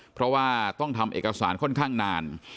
เพราะว่าต้องทำเอกสารค่อนข้างนาน